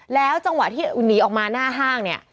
แล้วจังหวะที่หนีออกมาหน้าห้างเนี่ย